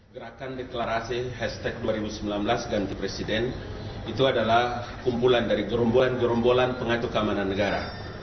gerakan deklarasi hashtag dua ribu sembilan belas ganti presiden itu adalah kumpulan dari gerombolan gerombolan pengacu keamanan negara